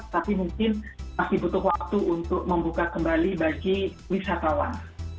tapi mungkin masih butuh waktu untuk membuka kembali bagi wisatawan